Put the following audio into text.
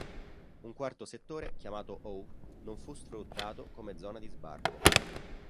Un quarto settore, chiamato How, non fu sfruttato come zona di sbarco.